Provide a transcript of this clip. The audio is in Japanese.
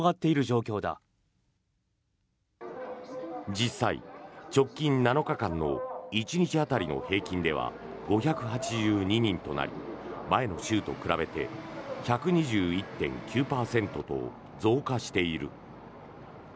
実際、直近７日間の１日当たりの平均では５８２人となり前の週と比べて１２１．９％と増加している。